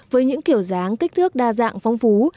với những kiểu dáng kích thước đa dạng phong phú